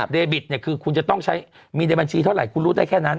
เดบิตคือคุณจะต้องใช้มีในบัญชีเท่าไหร่คุณรู้ได้แค่นั้น